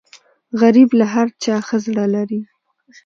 غریب له هر چا ښه زړه لري